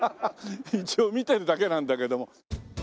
一応見てるだけなんだけども。